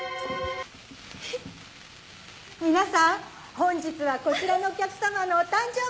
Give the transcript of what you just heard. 皆さん本日はこちらのお客様のお誕生日です。